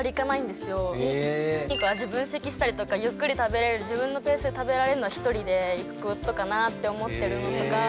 味分析したりとかゆっくり食べれる自分のペースで食べられるのは一人で行くことかなって思ってるのとか。